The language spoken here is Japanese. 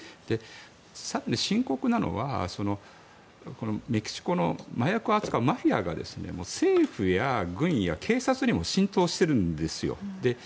更に深刻なのはメキシコの麻薬を扱うマフィアが政府や軍や警察にも浸透しているんですよ。